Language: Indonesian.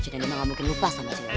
ciden emang gak mungkin lupa sama ciden